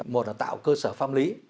một là tạo cơ sở pháp lý